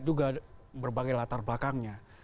juga berbagai latar belakangnya